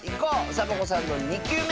サボ子さんの２きゅうめ！